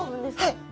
はい。